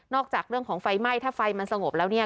จากเรื่องของไฟไหม้ถ้าไฟมันสงบแล้วเนี่ย